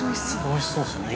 ◆おいしそうですね。